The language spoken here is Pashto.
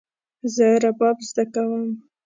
زه رباب زده کوم